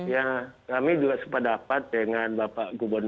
ya kami juga sempat dapat dengan warung makan